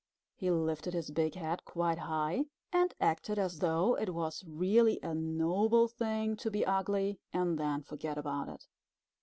He lifted his big head quite high, and acted as though it was really a noble thing to be ugly and then forget about it.